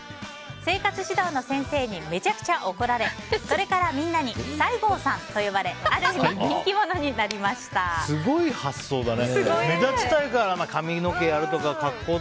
生活指導の先生にめちゃくちゃ怒られそれからみんなに西郷さんと呼ばれすごい発想だね。